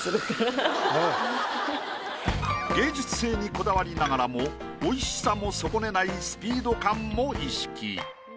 芸術性にこだわりながらも美味しさも損ねないスピード感も意識。